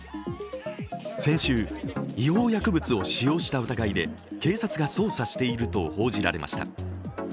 先週、違法薬物を使用した疑いで警察が捜査していると報じられました。